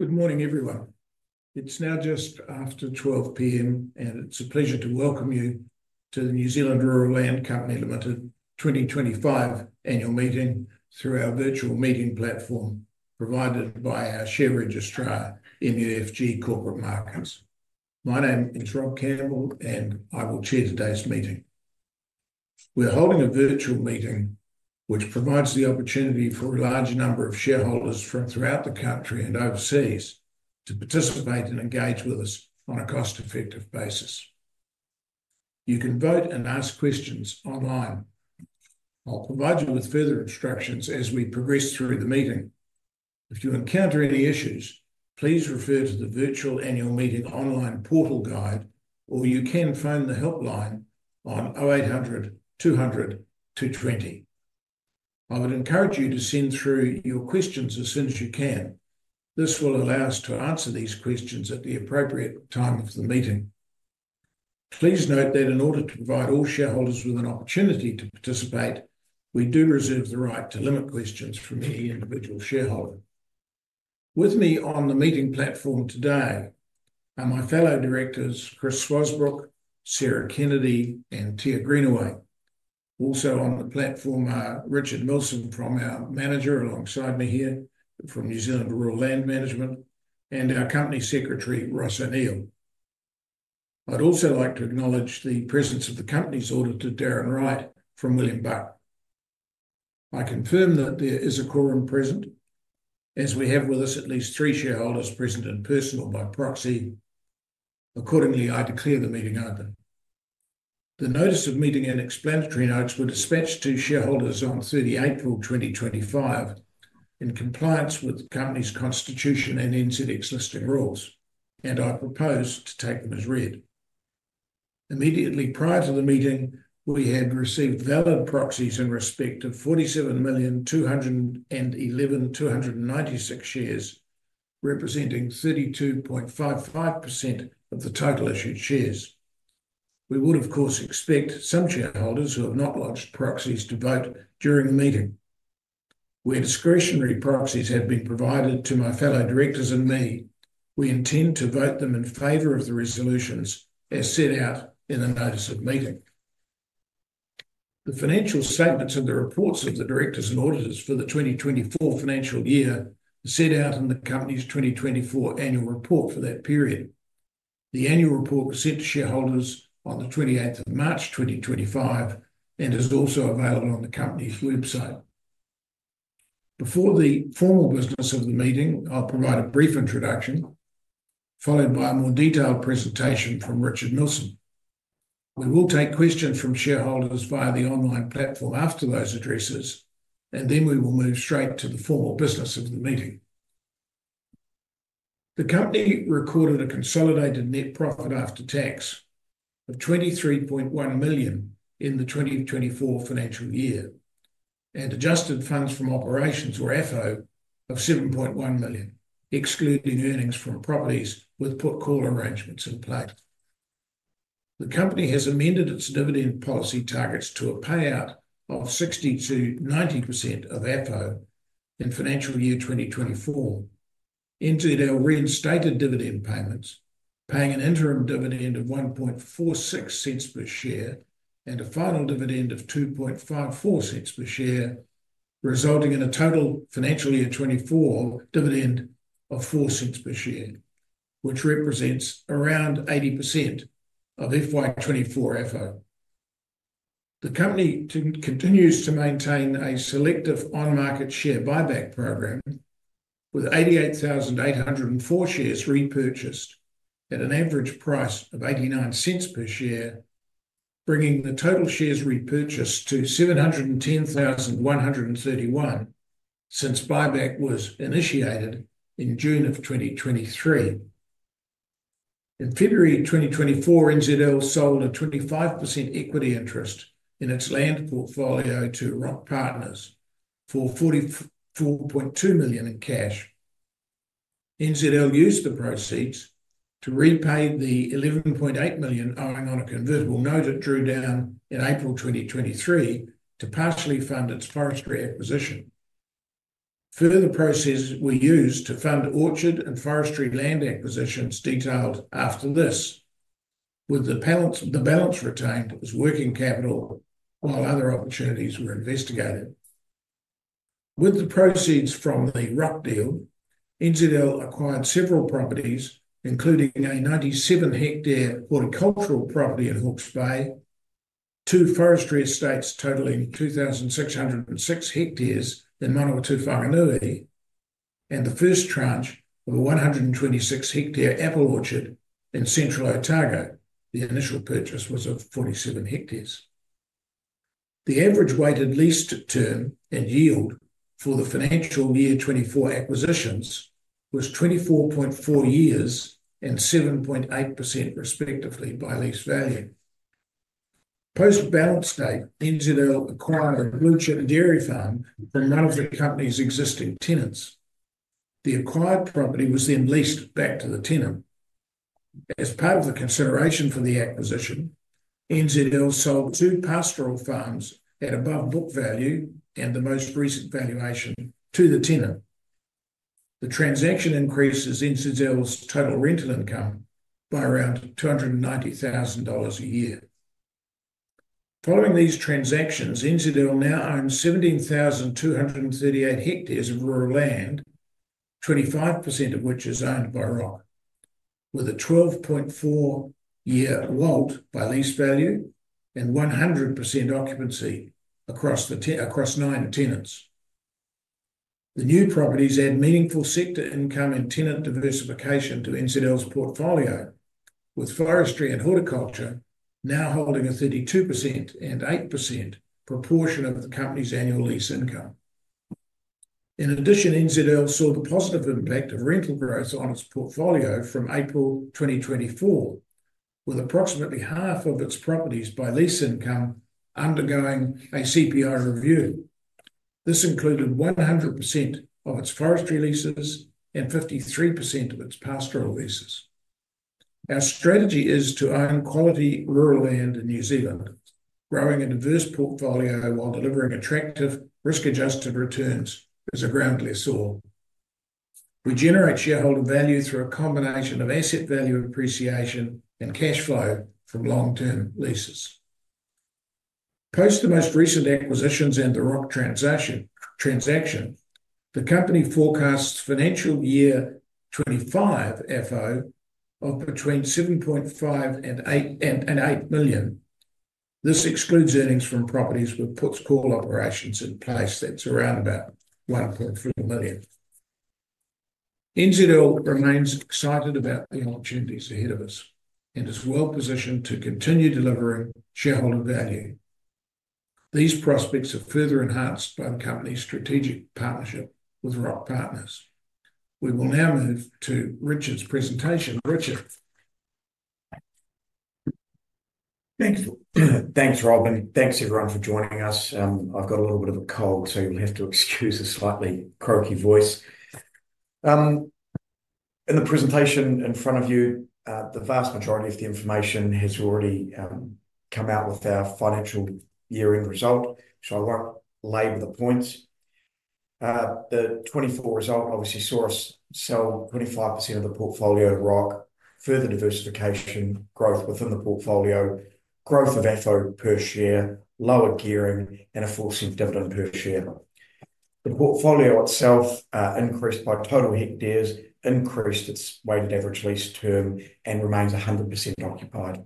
Good morning, everyone. It's now just after 12:00 P.M., and it's a pleasure to welcome you to the New Zealand Rural Land Company 2025 Annual Meeting through our virtual meeting platform provided by our share registrar, MUFG Corporate Markets. My name is Rob Campbell, and I will chair today's meeting. We're holding a virtual meeting which provides the opportunity for a large number of shareholders from throughout the country and overseas to participate and engage with us on a cost-effective basis. You can vote and ask questions online. I'll provide you with further instructions as we progress through the meeting. If you encounter any issues, please refer to the virtual annual meeting online portal guide, or you can phone the helpline on 0800 200 220. I would encourage you to send through your questions as soon as you can. This will allow us to answer these questions at the appropriate time of the meeting. Please note that in order to provide all shareholders with an opportunity to participate, we do reserve the right to limit questions from any individual shareholder. With me on the meeting platform today are my fellow directors, Chris Swasbrook, Sarah Kennedy, and Tia Greenaway. Also on the platform are Richard Milsom from our manager alongside me here from New Zealand Rural Land Management and our Company Secretary, Ross O'Neil. I'd also like to acknowledge the presence of the company's auditor, Darren Wright, from William Buck. I confirm that there is a quorum present, as we have with us at least three shareholders present in person or by proxy. Accordingly, I declare the meeting open. The notice of meeting and explanatory notes were dispatched to shareholders on 30 April 2025 in compliance with the company's constitution and NZX listing rules, and I propose to take them as read. Immediately prior to the meeting, we had received valid proxies in respect of 47,211,296 shares, representing 32.55% of the total issued shares. We would, of course, expect some shareholders who have not lodged proxies to vote during the meeting. Where discretionary proxies have been provided to my fellow directors and me, we intend to vote them in favor of the resolutions as set out in the notice of meeting. The financial statements and the reports of the directors and auditors for the 2024 financial year are set out in the company's 2024 annual report for that period. The annual report was sent to shareholders on the 28th of March 2025 and is also available on the company's website. Before the formal business of the meeting, I'll provide a brief introduction, followed by a more detailed presentation from Richard Milsom. We will take questions from shareholders via the online platform after those addresses, and then we will move straight to the formal business of the meeting. The company recorded a consolidated net profit after tax of 23.1 million in the 2024 financial year, and adjusted funds from operations were FO of 7.1 million, excluding earnings from properties with put-call arrangements in place. The company has amended its dividend policy targets to a payout of 60-90% of FO in financial year 2024, entered our reinstated dividend payments, paying an interim dividend of 0.0146 per share and a final dividend of 0.0254 per share, resulting in a total financial year 2024 dividend of 0.04 per share, which represents around 80% of FY 2024 FO. The company continues to maintain a selective on-market share buyback program, with 88,804 shares repurchased at an average price of 0.89 per share, bringing the total shares repurchased to 710,131 since buyback was initiated in June of 2023. In February 2024, NZL sold a 25% equity interest in its land portfolio to ROC Partners for 44.2 million in cash. NZL used the proceeds to repay the 11.8 million owing on a convertible note it drew down in April 2023 to partially fund its forestry acquisition. Further proceeds were used to fund orchard and forestry land acquisitions detailed after this, with the balance retained as working capital while other opportunities were investigated. With the proceeds from the ROC Partners deal, NZL acquired several properties, including a 97-hectare horticultural property in Hawke's Bay, two forestry estates totaling 2,606 hectares in Manawatū-Whanganui, and the first tranche of a 126-hectare apple orchard in Central Otago. The initial purchase was of 47 hectares. The average weighted lease term and yield for the financial year 2024 acquisitions was 24.4 years and 7.8% respectively by lease value. Post-balance date, NZL acquired a blue chip dairy farm from one of the company's existing tenants. The acquired property was then leased back to the tenant. As part of the consideration for the acquisition, NZL sold two pastoral farms at above book value and the most recent valuation to the tenant. The transaction increases NZL's total rental income by around 290,000 dollars a year. Following these transactions, NZL now owns 17,238 hectares of rural land, 25% of which is owned by ROC, with a 12.4-year WALT by lease value and 100% occupancy across nine tenants. The new properties add meaningful sector income and tenant diversification to NZL's portfolio, with forestry and horticulture now holding a 32% and 8% proportion of the company's annual lease income. In addition, NZL saw the positive impact of rental growth on its portfolio from April 2024, with approximately half of its properties by lease income undergoing a CPI review. This included 100% of its forestry leases and 53% of its pastoral leases. Our strategy is to own quality rural land in New Zealand, growing a diverse portfolio while delivering attractive risk-adjusted returns as a ground-lease or. We generate shareholder value through a combination of asset value appreciation and cash flow from long-term leases. Post the most recent acquisitions and the ROC transaction, the company forecasts financial year 2025 FO of between 7.5 million and 8 million. This excludes earnings from properties with put-call operations in place. That's around about 1.3 million. NZL remains excited about the opportunities ahead of us and is well positioned to continue delivering shareholder value. These prospects are further enhanced by the company's strategic partnership with ROC Partners. We will now move to Richard's presentation. Richard? Thanks, Rob, and thanks everyone for joining us. I've got a little bit of a cold, so you'll have to excuse a slightly croaky voice. In the presentation in front of you, the vast majority of the information has already come out with our financial year-end result, so I won't labour the points. The 2024 result obviously saw us sell 25% of the portfolio to ROC, further diversification growth within the portfolio, growth of FO per share, lower gearing, and a forcing dividend per share. The portfolio itself increased by total hectares, increased its weighted average lease term, and remains 100% occupied.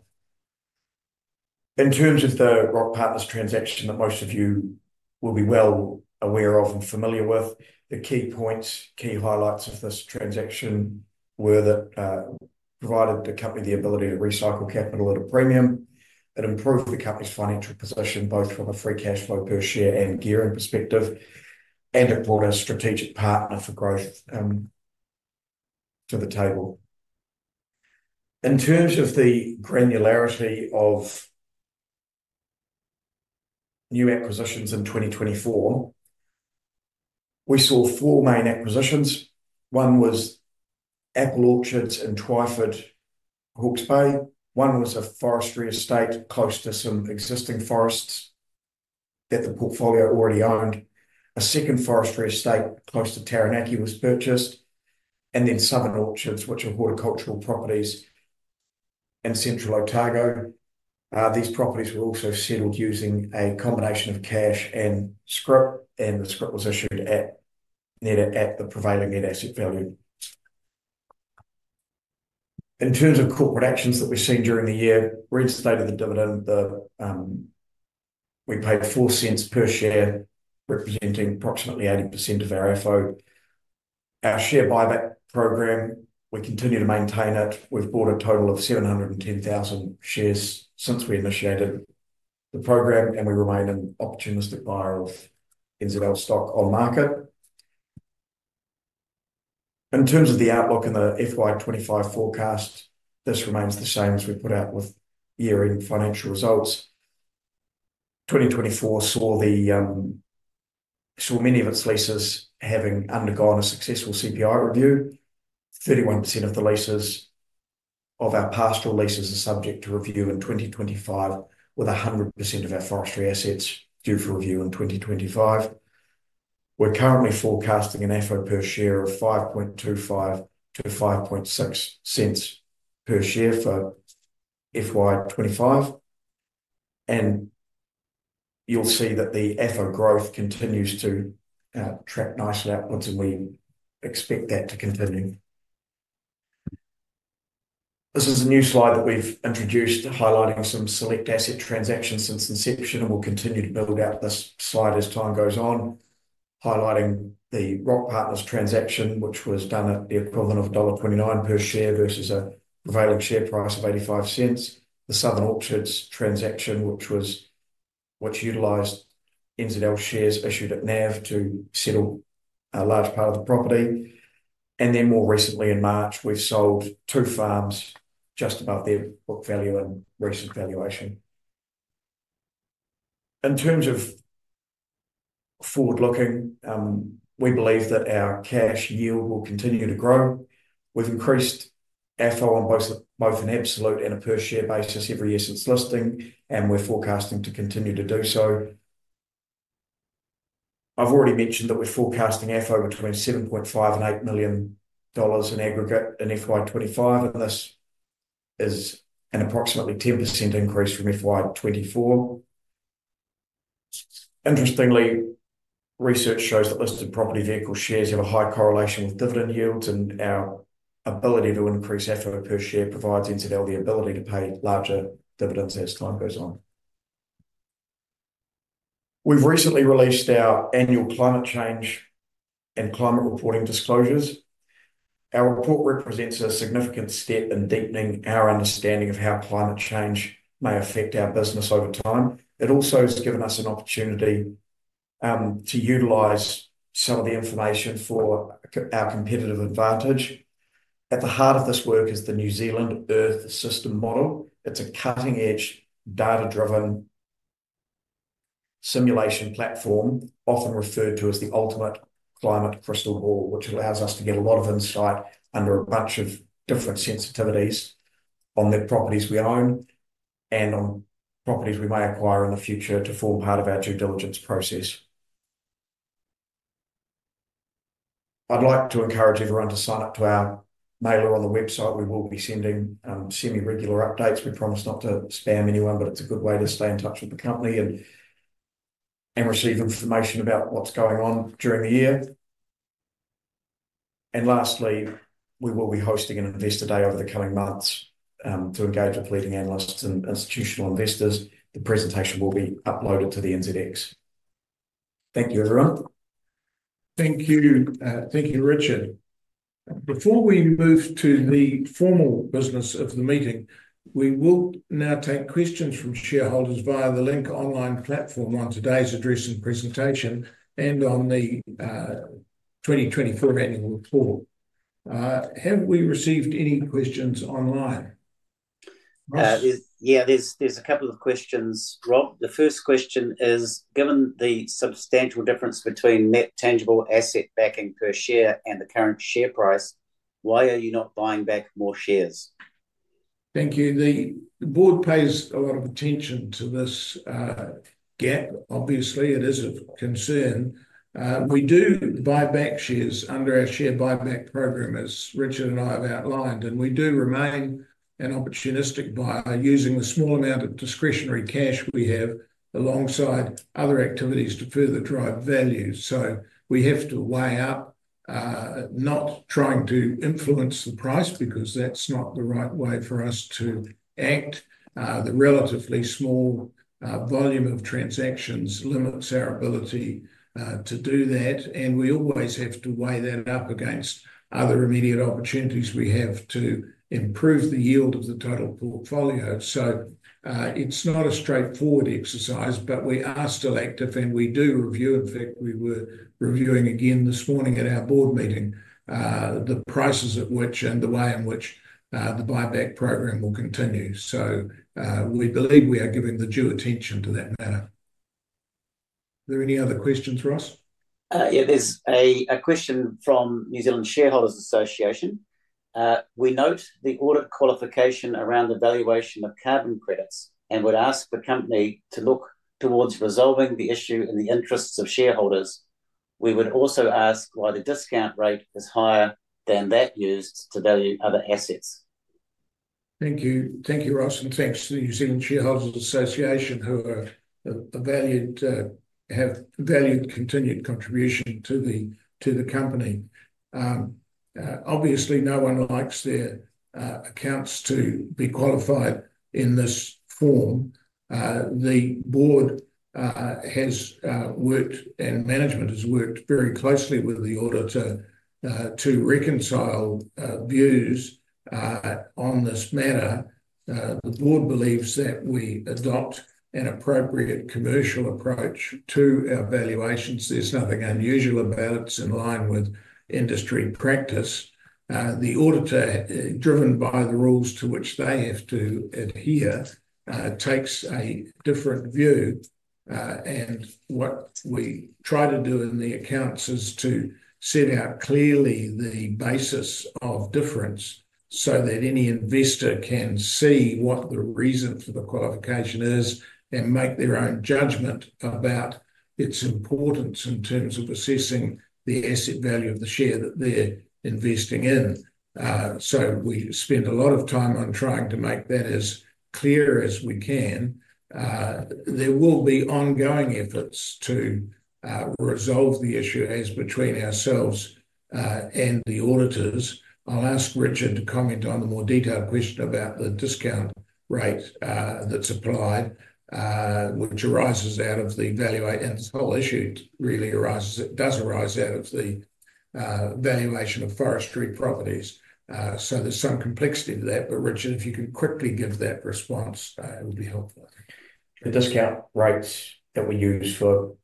In terms of the ROC Partners transaction that most of you will be well aware of and familiar with, the key points, key highlights of this transaction were that it provided the company the ability to recycle capital at a premium. It improved the company's financial position both from a free cash flow per share and gearing perspective, and it brought a strategic partner for growth to the table. In terms of the granularity of new acquisitions in 2024, we saw four main acquisitions. One was apple orchards in Twyford, Hawke's Bay. One was a forestry estate close to some existing forests that the portfolio already owned. A second forestry estate close to Taranaki was purchased, and then southern orchards, which are horticultural properties in Central Otago. These properties were also settled using a combination of cash and scrip, and the scrip was issued at the prevailing net asset value. In terms of corporate actions that we've seen during the year, we instated the dividend. We paid 0.04 per share, representing approximately 80% of our FO. Our share buyback program, we continue to maintain it. We've bought a total of 710,000 shares since we initiated the program, and we remain an opportunistic buyer of NZL stock on market. In terms of the outlook and the FY 2025 forecast, this remains the same as we put out with year-end financial results. 2024 saw many of its leases having undergone a successful CPI review. 31% of the leases of our pastoral leases are subject to review in 2025, with 100% of our forestry assets due for review in 2025. We are currently forecasting an FO per share of 0.0525-0.056 per share for FY 2025, and you will see that the FO growth continues to track nicely upwards, and we expect that to continue. This is a new slide that we've introduced highlighting some select asset transactions since inception, and we'll continue to build out this slide as time goes on, highlighting the ROC Partners transaction, which was done at the equivalent of dollar 1.29 per share versus a prevailing share price of 0.85, the southern orchards transaction, which was which utilized NZL shares issued at NAV to settle a large part of the property. In March, we've sold two farms just above their book value and recent valuation. In terms of forward-looking, we believe that our cash yield will continue to grow. We've increased FO on both an absolute and a per share basis every year since listing, and we're forecasting to continue to do so. I've already mentioned that we're forecasting FO between 7.5 million and 8 million dollars in aggregate in FY 2025, and this is an approximately 10% increase from FY 2024. Interestingly, research shows that listed property vehicle shares have a high correlation with dividend yields, and our ability to increase FO per share provides NZL the ability to pay larger dividends as time goes on. We've recently released our annual climate change and climate reporting disclosures. Our report represents a significant step in deepening our understanding of how climate change may affect our business over time. It also has given us an opportunity to utilize some of the information for our competitive advantage. At the heart of this work is the New Zealand Earth System model. It's a cutting-edge, data-driven simulation platform, often referred to as the ultimate climate crystal ball, which allows us to get a lot of insight under a bunch of different sensitivities on the properties we own and on properties we may acquire in the future to form part of our due diligence process. I'd like to encourage everyone to sign up to our mailer on the website. We will be sending semi-regular updates. We promise not to spam anyone, but it's a good way to stay in touch with the company and receive information about what's going on during the year. Lastly, we will be hosting an Investor Day over the coming months to engage with leading analysts and institutional investors. The presentation will be uploaded to the NZX. Thank you, everyone. Thank you. Thank you, Richard. Before we move to the formal business of the meeting, we will now take questions from shareholders via the Link online platform on today's address and presentation and on the 2024 annual report. Have we received any questions online? Yeah, there's a couple of questions, Rob. The first question is, given the substantial difference between net tangible asset backing per share and the current share price, why are you not buying back more shares? Thank you. The board pays a lot of attention to this gap. Obviously, it is of concern. We do buy back shares under our share buyback program, as Richard and I have outlined, and we do remain an opportunistic buyer using the small amount of discretionary cash we have alongside other activities to further drive value. We have to weigh up, not trying to influence the price because that's not the right way for us to act. The relatively small volume of transactions limits our ability to do that, and we always have to weigh that up against other immediate opportunities we have to improve the yield of the total portfolio. It is not a straightforward exercise, but we are still active, and we do review. In fact, we were reviewing again this morning at our board meeting the prices at which and the way in which the buyback program will continue. We believe we are giving the due attention to that matter. Are there any other questions, Ross? Yeah, there's a question from New Zealand Shareholders Association. We note the audit qualification around the valuation of carbon credits and would ask the company to look towards resolving the issue in the interests of shareholders. We would also ask why the discount rate is higher than that used to value other assets. Thank you. Thank you, Ross, and thanks to the New Zealand Shareholders Association who have valued continued contribution to the company. Obviously, no one likes their accounts to be qualified in this form. The board has worked and management has worked very closely with the auditor to reconcile views on this matter. The board believes that we adopt an appropriate commercial approach to our valuations. There is nothing unusual about it. It is in line with industry practice. The auditor, driven by the rules to which they have to adhere, takes a different view. What we try to do in the accounts is to set out clearly the basis of difference so that any investor can see what the reason for the qualification is and make their own judgment about its importance in terms of assessing the asset value of the share that they are investing in. We spend a lot of time on trying to make that as clear as we can. There will be ongoing efforts to resolve the issue as between ourselves and the auditors. I'll ask Richard to comment on the more detailed question about the discount rate that's applied, which arises out of the valuation. This whole issue really arises, it does arise out of the valuation of forestry properties. There's some complexity to that, but Richard, if you can quickly give that response, it would be helpful. The discount rates that we use for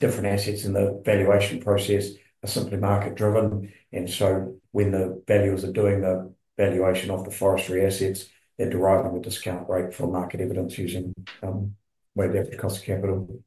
different assets in the valuation process are simply market-driven. When the valuers are doing the valuation of the forestry assets, they're deriving the discount rate from market evidence using weighted average cost of capital.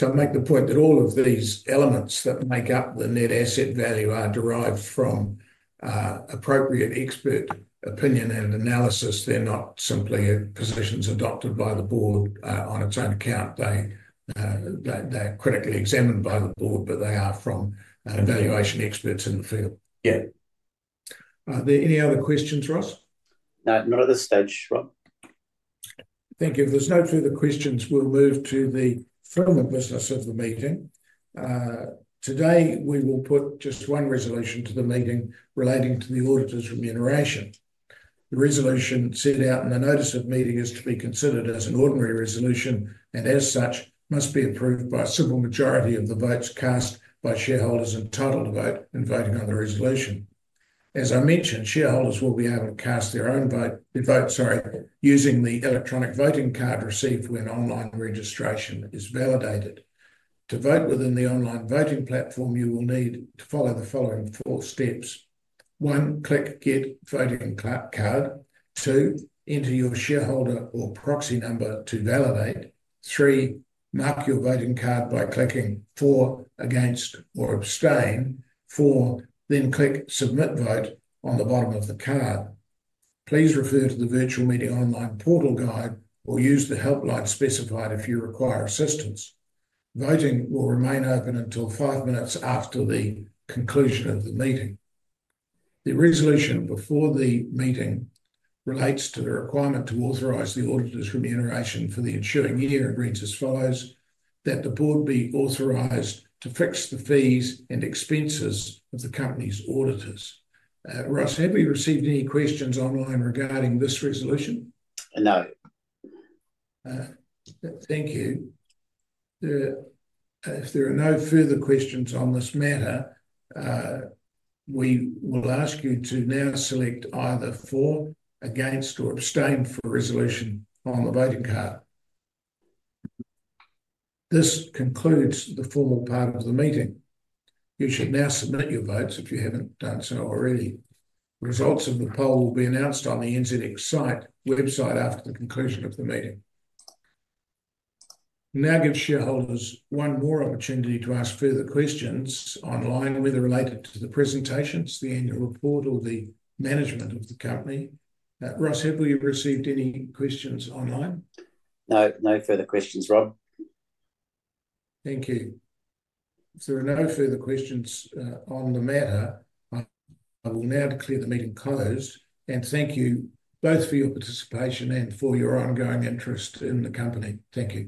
I make the point that all of these elements that make up the net asset value are derived from appropriate expert opinion and analysis. They're not simply positions adopted by the board on its own account. They're critically examined by the board, but they are from valuation experts in the field. Yeah. Are there any other questions, Ross? No, not at this stage, Rob. Thank you. If there's no further questions, we'll move to the formal business of the meeting. Today, we will put just one resolution to the meeting relating to the auditor's remuneration. The resolution set out in the notice of meeting is to be considered as an ordinary resolution and as such must be approved by a civil majority of the votes cast by shareholders in total vote in voting on the resolution. As I mentioned, shareholders will be able to cast their own vote, sorry, using the electronic voting card received when online registration is validated. To vote within the online voting platform, you will need to follow the following four steps. One, click Get Voting Card. Two, enter your shareholder or proxy number to validate. Three, mark your voting card by clicking For, Against, or Abstain. Four, then click Submit Vote on the bottom of the card. Please refer to the virtual meeting online portal guide or use the helpline specified if you require assistance. Voting will remain open until five minutes after the conclusion of the meeting. The resolution before the meeting relates to the requirement to authorize the auditor's remuneration for the ensuing year and reads as follows: that the board be authorized to fix the fees and expenses of the company's auditors. Ross, have we received any questions online regarding this resolution? No. Thank you. If there are no further questions on this matter, we will ask you to now select either For, Against, or Abstain for resolution on the voting card. This concludes the formal part of the meeting. You should now submit your votes if you haven't done so already. Results of the poll will be announced on the NZX website after the conclusion of the meeting. We now give shareholders one more opportunity to ask further questions online whether related to the presentations, the annual report, or the management of the company. Ross, have we received any questions online? No, no further questions, Rob. Thank you. If there are no further questions on the matter, I will now declare the meeting closed and thank you both for your participation and for your ongoing interest in the company. Thank you.